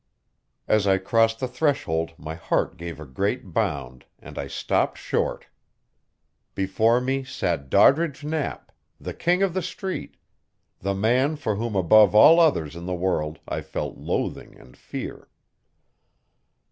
As I crossed the threshold my heart gave a great bound, and I stopped short. Before me sat Doddridge Knapp, the King of the Street, the man for whom above all others in the world I felt loathing and fear.